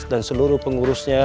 dan seluruh pengurusnya